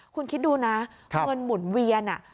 คุณคิดดูนะเงินหมุนเวียน